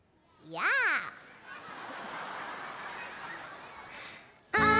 「やあ」